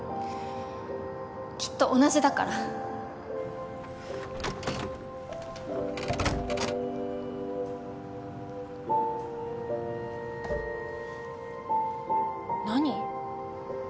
きっと同じだから何？